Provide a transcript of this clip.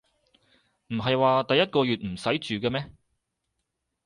唔係話第一個月唔使住嘅咩